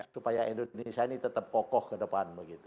supaya indonesia ini tetap pokok ke depan